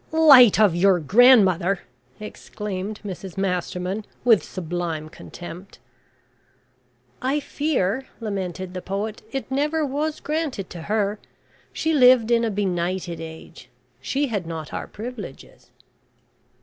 '" "Light of your grandmother!" exclaimed Mrs Masterman with sublime contempt. "I fear," lamented the poet, "it never was granted to her. She lived in a benighted age. She had not our privileges."